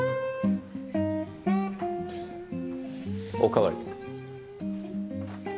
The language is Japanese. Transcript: おかわり。